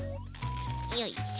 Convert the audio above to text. よいしょ。